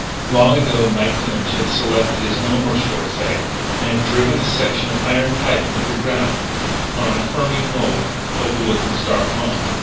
Long ago Mike Clinch had selected his own mortuary site and had driven a section of iron pipe into the ground on a ferny knoll overlooking Star Pond.